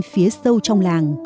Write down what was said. phía sâu trong làng